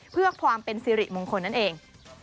เพื่อความเป็นสิริมงคลนั่นเอง